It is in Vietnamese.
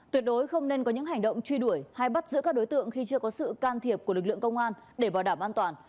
tuyệt đối không nên có những hành động truy đuổi hay bắt giữ các đối tượng khi chưa có sự can thiệp của lực lượng công an để bảo đảm an toàn